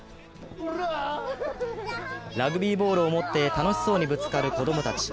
ラグビーボールを持って楽しそうにぶつかる子供たち。